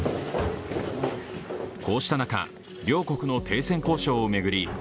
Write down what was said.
こうした中、両国の停戦交渉を巡り